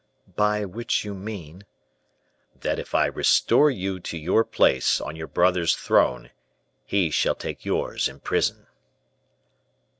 "By which you mean " "That if I restore you to your place on your brother's throne, he shall take yours in prison."